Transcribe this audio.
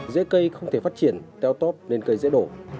dễ cây không thể phát triển teo tóp nên cây dễ đổ